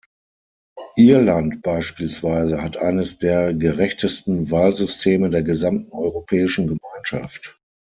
Irland beispielsweise hat eines der gerechtesten Wahlsysteme der gesamten Europäischen Gemeinschaft.